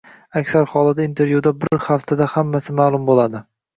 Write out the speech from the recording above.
Aksar hollarda intervyuda, bir haftada hammasi maʼlum boʻladi.